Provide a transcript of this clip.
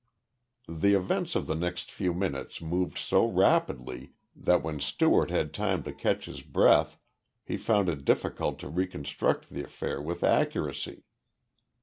The events of the next few minutes moved so rapidly that, when Stewart had time to catch his breath, he found it difficult to reconstruct the affair with accuracy.